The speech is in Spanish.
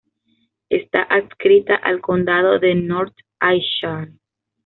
Está adscrita al condado de North Ayrshire.